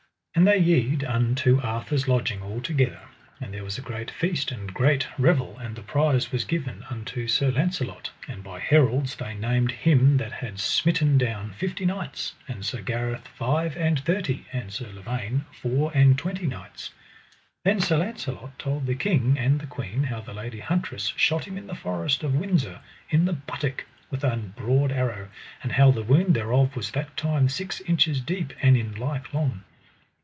So they yede unto Arthur's lodging all together, and there was a great feast and great revel, and the prize was given unto Sir Launcelot; and by heralds they named him that he had smitten down fifty knights, and Sir Gareth five and thirty, and Sir Lavaine four and twenty knights. Then Sir Launcelot told the king and the queen how the lady huntress shot him in the forest of Windsor, in the buttock, with an broad arrow, and how the wound thereof was that time six inches deep, and in like long.